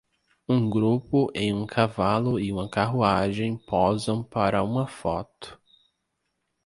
Um grupo em um cavalo e uma carruagem posam para uma foto.